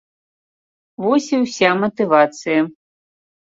Вось і ўся матывацыя.